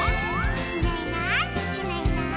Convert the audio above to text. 「いないいないいないいない」